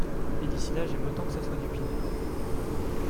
mais d’ici là j’aime autant que ce soit du pinard.